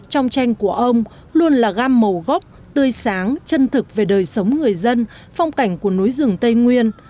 trong tranh của ông luôn là gam màu gốc tươi sáng chân thực về đời sống người dân phong cảnh của núi rừng tây nguyên